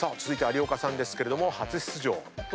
続いて有岡さんですけれども初出場。